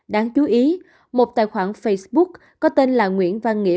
đáng chú ý một tài khoản facebook có tên là nguyễn văn nghĩa